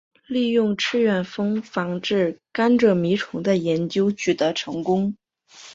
利用赤眼蜂防治甘蔗螟虫的研究取得成功。